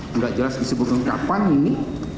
tidak jelas disebutkan kapan ini